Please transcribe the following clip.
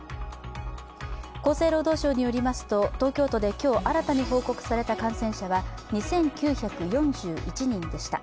厚生労働省によりますと、東京都で今日新たに報告された感染者は２９４１人でした。